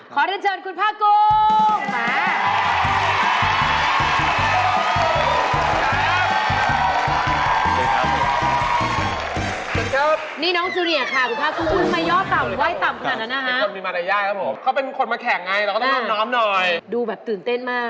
ขอต้อนเชิญคุณพลากุ้ง